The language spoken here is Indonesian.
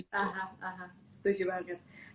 aham aham setuju banget